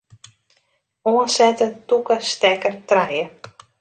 Oansette tûke stekker trije.